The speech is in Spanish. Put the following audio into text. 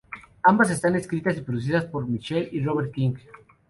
Ambas están escritas y producidas por Michelle y Robert King.